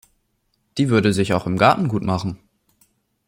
Die würde sich auch im Garten gut machen.